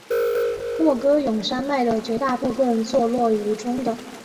莫戈永山脉的绝大部分坐落于中的。